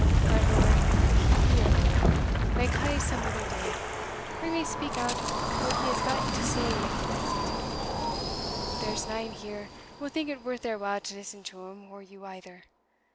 My lord, if he be a lord, may ca' some other day or he may speak out what he has gotten to say if he likes it; there's nane here will think it worth their while to listen to him or you either.